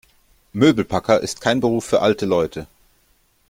Möbelpacker ist kein Beruf für alte Leute.